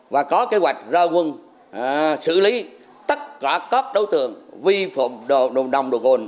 và có kế hoạch ra quân xử lý tất cả các đấu tường vi phạm nồng độ cồn